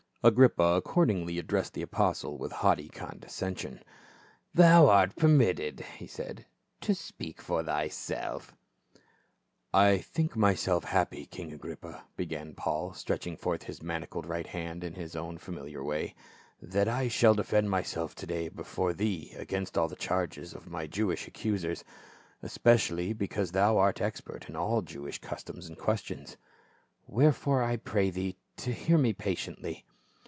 Agrippa accordingly addressed the apostle with haughty condescension. " Thou art permitted," he said, "to speak for thyself" " I think myself happy, king Agrippa," began Paul, stretching forth his manacled right hand in his own familiar way, " that I shall defend myself to day before thee against all the charges of my Jewish accusers : especially because thou art expert in all Jewish cus "C^SAREM APPELLOr 423 toms and questions. Wherefore I pray thee to hear me patiently.